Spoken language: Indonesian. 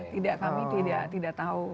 tidak kami tidak tahu